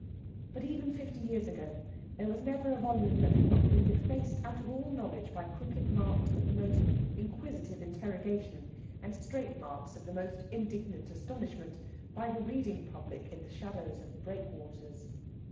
But even fifty years ago there was never a volume that had not been defaced out of all knowledge by crooked marks of the most inquisitive interrogation, and straight marks of the most indignant astonishment, by the reading public in the shadows of the breakwaters.